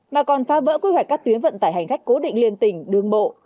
mà còn phá vỡ quy hoạch các tuyến vận tải hành khách cố định liên tỉnh đường bộ